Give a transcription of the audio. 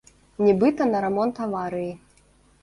Нібыта, на рамонт аварыі.